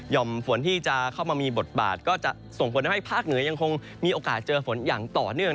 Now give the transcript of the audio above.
่อมฝนที่จะเข้ามามีบทบาทก็จะส่งผลให้ภาคเหนือยังคงมีโอกาสเจอฝนอย่างต่อเนื่อง